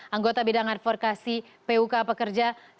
anggota bidang advokasi puk pekerja